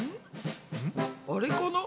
あれかな？